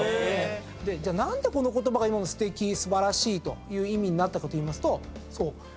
じゃあ何でこの言葉が今も素敵素晴らしいという意味になったかといいますとそう。